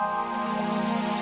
tengah panggil harga employment nya